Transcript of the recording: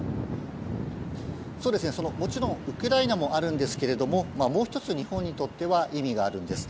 もちろんウクライナもあるんですがもう１つ日本にとっては意味があるんです。